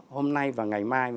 hôm nay và ngày mai